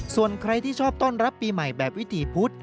ส่วนใครที่ชอบต้อนรับปีใหม่แบบวิถีพุธ